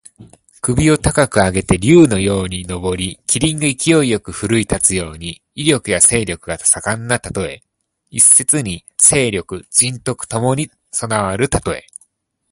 首を高く上げて竜のように上り、麒麟が勢いよく振るい立つように、威力や勢力が盛んなたとえ。一説に勢力・仁徳ともに備わるたとえ。